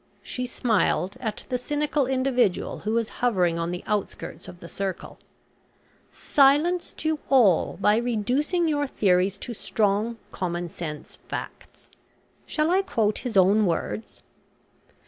she smiled at the cynical individual, who was hovering on the outskirts of the circle "silenced you all by reducing your theories to strong commonsense facts. Shall I quote his own words?